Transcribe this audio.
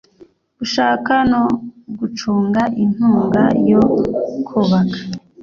gushaka no gucunga inkunga yo kubaka